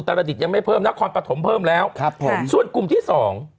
รดิตยังไม่เพิ่มนครปฐมเพิ่มแล้วครับผมส่วนกลุ่มที่สอง